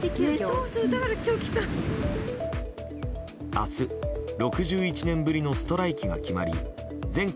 明日、６１年ぶりのストライキが決まり全館